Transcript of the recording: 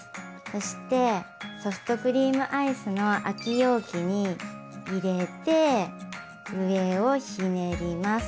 そしてソフトクリームアイスの空き容器に入れて上をひねります。